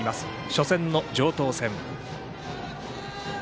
初戦の城東戦。